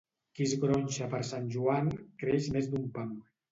Qui es gronxa per Sant Joan creix més d'un pam.